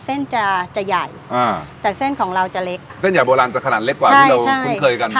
เส้นจะจะใหญ่อ่าแต่เส้นของเราจะเล็กเส้นใหญ่โบราณจะขนาดเล็กกว่าที่เราคุ้นเคยกัน